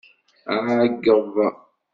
Ɛeggeḍ.